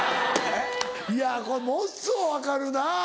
いやこれものすごい分かるなぁ。